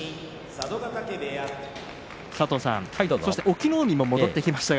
隠岐の海も戻ってきました。